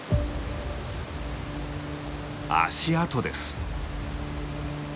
足跡です。